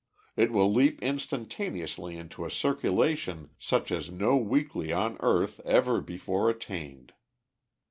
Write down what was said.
It will leap instantaneously into a circulation such as no weekly on earth ever before attained.